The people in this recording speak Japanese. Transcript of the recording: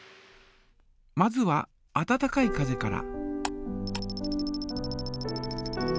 まずは温かい風から。